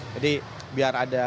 jadi biar ada